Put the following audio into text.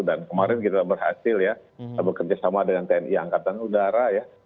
dan kemarin kita berhasil ya bekerja sama dengan tni angkatan udara ya